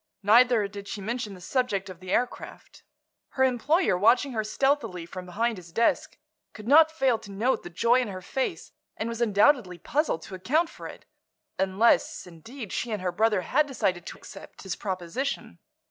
Neither did she mention the subject of the aircraft. Her employer, watching her stealthily from behind his desk, could not fail to note the joy in her face and was undoubtedly puzzled to account for it—unless, indeed, she and her brother had decided to accept his proposition.